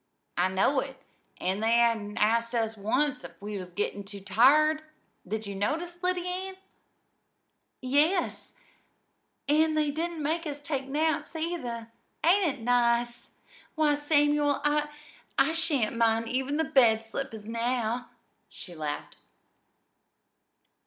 "I know it; an' they hain't asked us once if we was gettin' too tired! Did ye notice, Lyddy Ann?" "Yes, an' they didn't make us take naps, either. Ain't it nice? Why, Samuel, I I shan't mind even the bed slippers now," she laughed.